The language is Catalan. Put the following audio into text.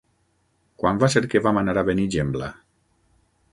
Quan va ser que vam anar a Benigembla?